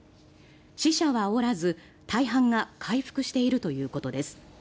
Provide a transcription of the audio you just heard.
死者はおらず、大半が回復しているということです。